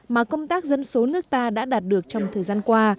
mà công tác dân số nước ta đã đạt được trong thời gian qua